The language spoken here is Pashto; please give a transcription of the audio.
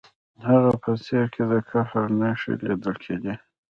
د هغه په څیره کې د قهر نښې لیدل کیدې